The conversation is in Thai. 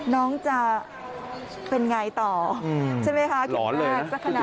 น้องจะเป็นอย่างไรต่อใช่ไหมคะ